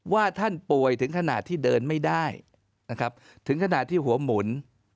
ว่าท่านป่วยถึงขนาดที่เดินไม่ได้นะครับถึงขนาดที่หัวหมุน